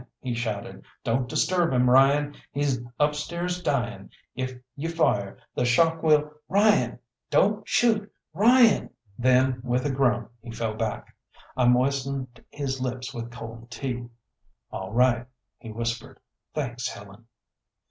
he shouted, "don't disturb him, Ryan! He's upstairs dying. If you fire, the shock will Ryan! Don't shoot! Ryan!" Then with a groan he fell back. I moistened his lips with cold tea. "All right," he whispered, "thanks, Helen."